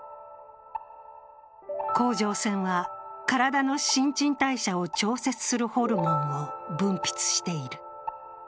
甲状腺は、体の新陳代謝を調節するホルモンを分泌している。